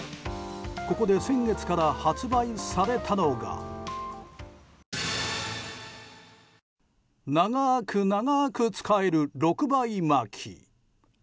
ここで先月から発売されたのが長く長く使える６倍巻き。